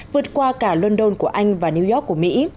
vượt qua cả london của anh và new york của mỹ